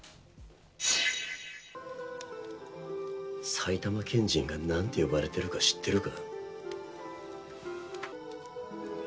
埼玉県人が何て呼ばれているか知ってるか。